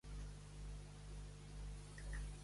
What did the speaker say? Des d'ara, les fronteres ja no van canviar.